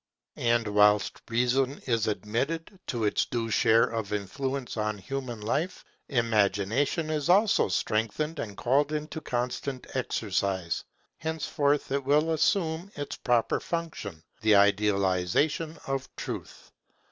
And whilst Reason is admitted to its due share of influence on human life, Imagination is also strengthened and called into constant exercise. Henceforth it will assume its proper function, the idealization of truth.